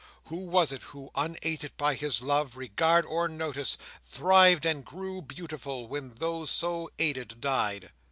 Who was it who, unaided by his love, regard or notice, thrived and grew beautiful when those so aided died?